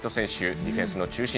ディフェンスの中心。